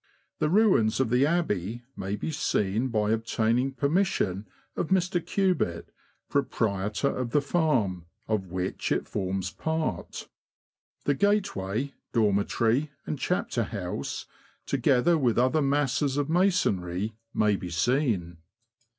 The ruins of the Abbey may be seen by obtaining permission of Mr. Cubitt, proprietor of the farm, of which it forms part. The gateway, dormitory, and chapter house, together with other masses of masonry, may be seen.